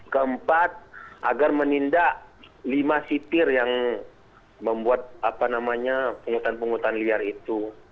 keempat agar menindak lima sipir yang membuat apa namanya penghutan penghutan liar itu